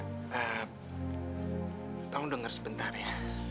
kamu denger sebentar ya